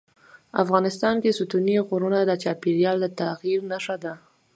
افغانستان کې ستوني غرونه د چاپېریال د تغیر نښه ده.